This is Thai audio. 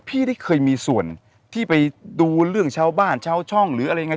พี่ได้เคยมีส่วนที่ไปดูเรื่องชาวบ้านชาวช่องหรืออะไรยังไง